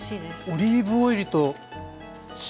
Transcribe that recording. オリーブオイルと塩。